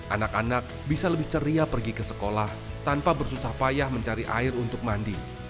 anak anak bisa lebih ceria pergi ke sekolah tanpa bersusah payah mencari air untuk mandi